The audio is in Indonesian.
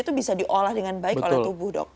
itu bisa diolah dengan baik oleh tubuh dok